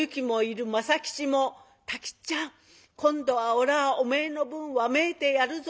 政吉も「太吉っちゃん今度はおらおめえの分わめいてやるぞ。